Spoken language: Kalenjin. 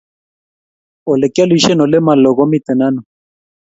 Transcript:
Olegialishe olemaloo komiten ano?